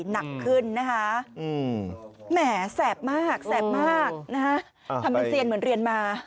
หนักขึ้นนะคะแหมแสบมากแสบมากนะฮะทำเป็นเซียนเหมือนเรียนมา